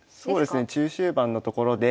中終盤のところで。